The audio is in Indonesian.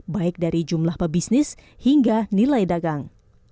baik dari jumlah pebisnis hingga nilai dagang